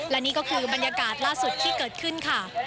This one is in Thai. และนี่ก็คือบรรยากาศล่าสุดที่เกิดขึ้นค่ะ